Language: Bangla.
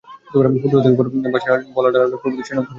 ফুটপাতের ওপর বাঁশের ডালায় ভরা আলু, কপি, শিম প্রভৃতি সাজানো থরে থরে।